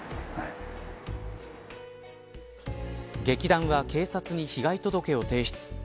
劇団は警察に被害届を提出。